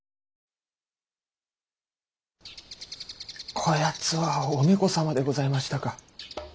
こやつは「お猫様」でございましたか。